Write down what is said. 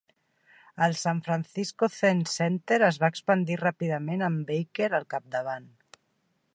El San Francisco Zen Center es va expandir ràpidament amb Baker al capdavant.